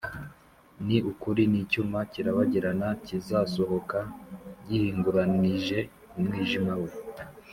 ni ukuri n’icyuma kirabagirana kizasohoka gihinguranije umwijima we,